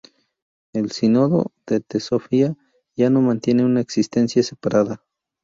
El sínodo de Teosofía ya no mantiene una existencia separada.